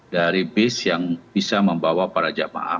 dari bis yang bisa membawa para jamaah